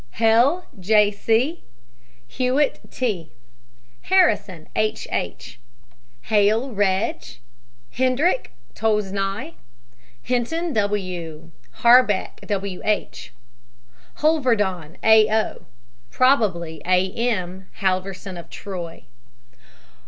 HELL, J. C. HEWITT, T. HARRISON, H. H. HALE, REG. HENDEKERIC, TOZNAI. HINTON, W. HARBECK, W. H. HOLVERDON, A. O. (probably A. M. Halverson of Troy).